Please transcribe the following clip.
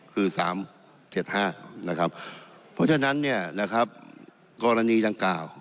คือสามเจ็ดห้านะครับเพราะฉะนั้นเนี่ยนะครับกรณีจังกล่าว